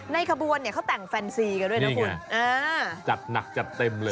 ขบวนเนี่ยเขาแต่งแฟนซีกันด้วยนะคุณอ่าจัดหนักจัดเต็มเลย